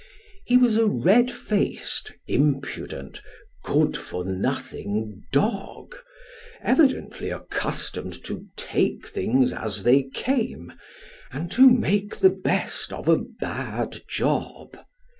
He was a red faced, impudent, good for nothing dog, evidently accustomed to take things as they came, and to make the best of a bad job.